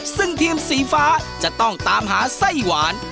ซึ่งทีมสีฟ้าจะต้องตามหาไส้หวาน